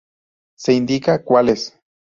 Se indica cuáles.